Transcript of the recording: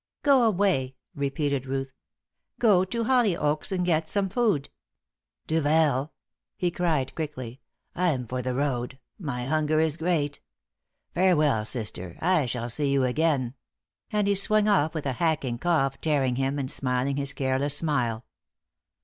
"Go away," repeated Ruth. "Go to Hollyoaks and get some food." "Duvel!" he cried, quickly. "I'm for the road. My hunger is great. Farewell, sister, I shall see you again," and he swung off with a hacking cough tearing him, and smiling his careless smile.